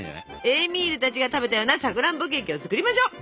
エーミールたちが食べたようなさくらんぼケーキを作りましょう。